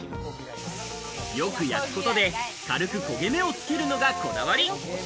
よく焼くことで軽く焦げ目をつけるのがこだわり。